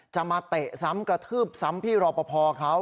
มาเตะซ้ำกระทืบซ้ำพี่รอปภเขา